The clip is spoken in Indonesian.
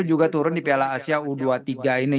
juga turun di piala asia u dua puluh tiga ini